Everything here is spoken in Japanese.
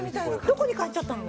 どこに帰っちゃったの？